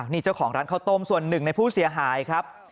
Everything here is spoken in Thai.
นี่เจ้าของร้านข้าวต้มส่วนหนึ่งในผู้เสียหายครับ